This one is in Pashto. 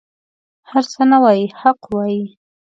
هر څه نه وايي حق وايي.